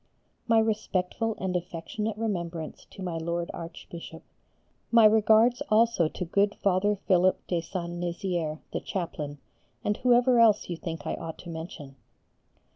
My respectful and affectionate remembrance to my Lord Archbishop. My regards also to good Father Philip de Saint Nizier, the chaplain, and whoever else you think I ought to mention.